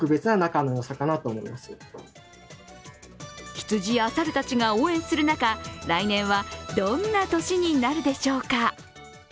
羊や猿たちが応援する中、来年はどんな年になるでしょうか？